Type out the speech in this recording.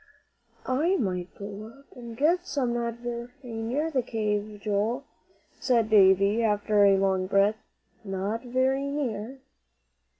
"I might go up and get some not very near the cave, Joel," said Davie, after a long breath. "Not very near."